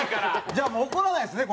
じゃあもう怒らないですね？